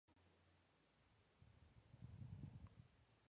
La plaza es conocida internacionalmente por los Sanfermines.